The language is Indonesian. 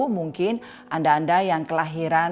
mungkin anda anda yang kelahiran